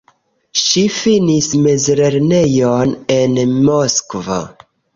Ŝi finis mezlernejon en Moskvo.